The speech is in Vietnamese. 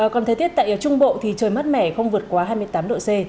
còn thời tiết tại trung bộ thì trời mắt mẻ không vượt qua hai mươi tám độ c